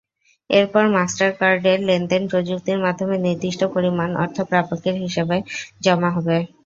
এরপর মাস্টারকার্ডের লেনদেন প্রযুক্তির মাধ্যমে নির্দিষ্ট পরিমাণ অর্থ প্রাপকের হিসাবে জমা হবে।